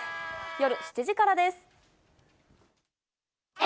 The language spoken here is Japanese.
夜７時からです。